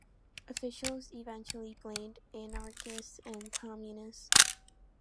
Officials eventually blamed anarchists and communists.